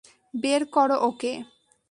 বের করো ওকে!